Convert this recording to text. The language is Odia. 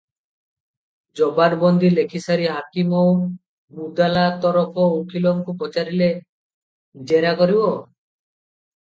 ଜବାନବନ୍ଦି ଲେଖିସାରି ହାକିମ ମୁଦାଲା ତରଫ ଉକୀଲକୁ ପଚାରିଲେ, "ଜେରା କରିବ?"